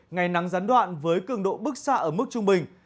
ngày nắng rắn đoạn với cường độ bức xa ở mức trung bình